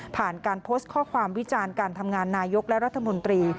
ผ่านการโพสต์ข้อความวิจารณ์การทำงานนายกและรัฐมนตรี